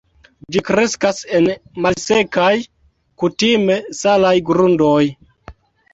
Ĝi kreskas en malsekaj, kutime salaj grundoj.